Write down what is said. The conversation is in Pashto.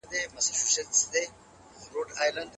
که ماسوم په خپله ژبه خبرې وکړي د شرم احساس ولې نه زياتېږي؟